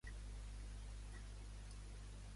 Considera que gens s'oposa a molts com cap s'oposa a molt.